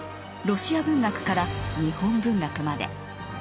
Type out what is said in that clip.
ロシア文学から日本文学まで。